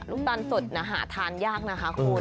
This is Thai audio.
ลูกตานสดนะหาทานยากนะคะคุณ